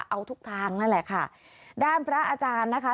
เอาทุกทางนั่นแหละค่ะด้านพระอาจารย์นะคะ